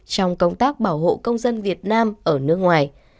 trong công tác bảo hộ công dân việt nam ở nước ngoài